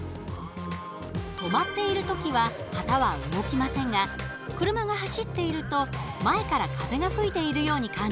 止まっているときは旗は動きませんが車が走っていると前から風が吹いているように感じますね。